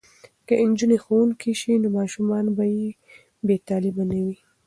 که نجونې ښوونکې شي نو ماشومان به بې تعلیمه نه وي.